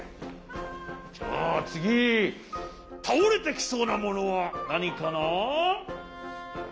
じゃあつぎたおれてきそうなものはなにかな？